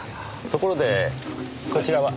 ところでこちらは？